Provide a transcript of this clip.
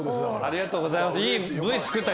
ありがとうございます。